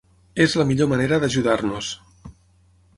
Es la millor manera d’ajudar-nos.